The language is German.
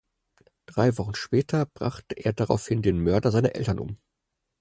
Drei Wochen später brachte er daraufhin den Mörder seiner Eltern um.